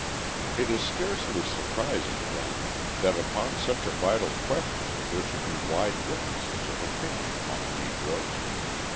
It is scarcely surprising, then, that upon such a vital question there should be wide differences of opinion among Negroes.